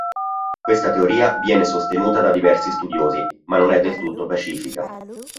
Questa teoria viene sostenuta da diversi studiosi, ma non è del tutto pacifica.